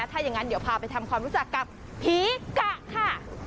ถ้าอย่างนั้นเดี๋ยวพาไปทำความรู้จักกับผีกะค่ะ